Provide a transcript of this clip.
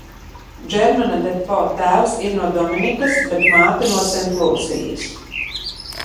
Džermena Defo tēvs ir no Dominikas, bet māte no Sentlūsijas.